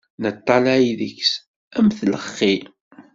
Neṭṭallay deg-s amek tlexxi.